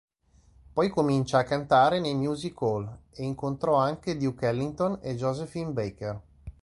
Poi comincia a cantare nei music-hall e incontrò anche Duke Ellington e Joséphine Baker.